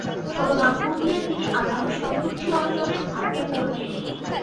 সর্বাঙ্গ দিয়ে তিনি আল্লাহর সন্তুষ্টি অর্জনে ঝাঁপিয়ে পড়লেন।